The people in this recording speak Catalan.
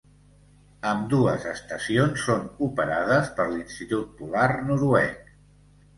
Ambdues estacions són operades per l'Institut Polar Noruec.